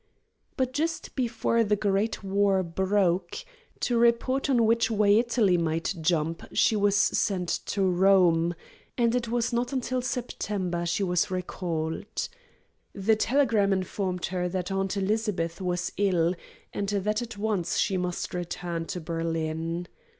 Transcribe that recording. But just before the great war broke, to report on which way Italy might jump, she was sent to Rome, and it was not until September she was recalled. The telegram informed her that her Aunt Elizabeth was ill, and that at once she must return to Berlin.